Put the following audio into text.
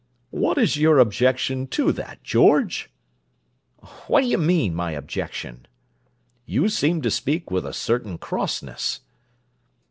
"What is your objection to that, George?" "What do you mean: my objection?" "You seemed to speak with a certain crossness."